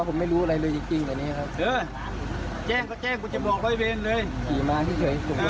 ผมไม่รู้อะไรเลยจริงจริงในนี่ครับใช่เจ้าก็เจ้ากูจะบอกเลยเลย